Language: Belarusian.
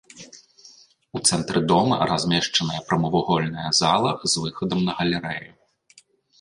У цэнтры дома размешчаная прамавугольная зала з выхадам на галерэю.